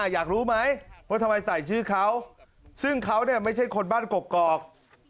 อยากรู้ไหมว่าทำไมใส่ชื่อเขาซึ่งเขาไม่ใช่คนบ้านกกอก